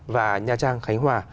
và nha trang khánh hòa